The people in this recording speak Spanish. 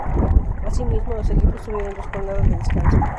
Asimismo, los equipos tuvieron dos jornadas de descanso.